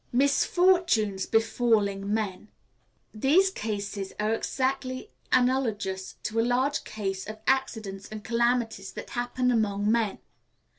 Misfortunes befalling Men. These cases are exactly analogous to a large class of accidents and calamities that happen among men.